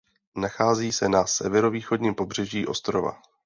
Nachází se na severovýchodním pobřeží ostrova.